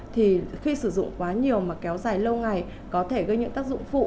thì khi sử dụng quá nhiều mà kéo dài lâu ngày có thể gây những tác dụng phụ